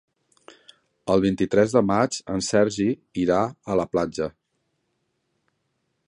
El vint-i-tres de maig en Sergi irà a la platja.